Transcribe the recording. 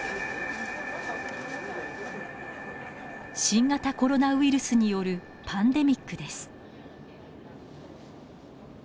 新型コロナウイルスによるパンデミックです。